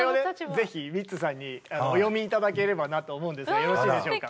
ぜひミッツさんにお読み頂ければなと思うんですがよろしいでしょうか。